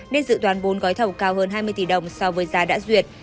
nên dự toán bốn gói thầu cao hơn hai mươi tỷ đồng so với giá đã duyệt